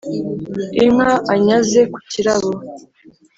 inka anyaze ku cyirabo,